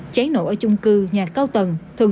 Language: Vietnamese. trái nổ ở chung cư nhà cao tầng